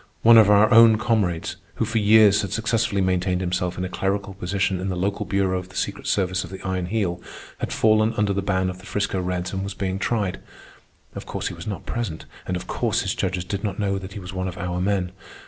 One of our own comrades, who for years had successfully maintained himself in a clerical position in the local bureau of the secret service of the Iron Heel, had fallen under the ban of the 'Frisco Reds and was being tried. Of course he was not present, and of course his judges did not know that he was one of our men.